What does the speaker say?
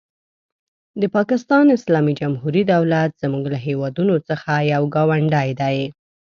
د پاکستان اسلامي جمهوري دولت زموږ له هېوادونو څخه یو ګاونډی دی.